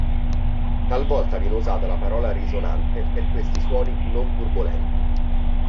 Talvolta viene usata la parola risonante per questi suoni non-turbolenti.